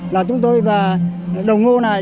là chúng tôi và đồng ngô này